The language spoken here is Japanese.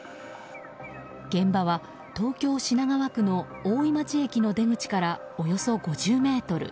現場は東京・品川区の大井町駅の出口からおよそ５０ｍ。